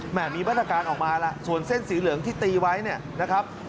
แหม่มีบรรษาการออกมาแล้วส่วนเส้นสีเหลืองที่ตีไว้นะครับ